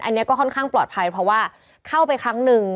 อันนี้ก็ค่อนข้างปลอดภัยเพราะว่าเข้าไปครั้งหนึ่ง